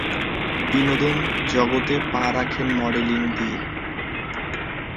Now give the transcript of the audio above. বিনোদন জগতে পা রাখেন মডেলিং দিয়ে।